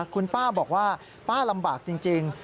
คุณป้าบอกว่าป้าลำบากจริง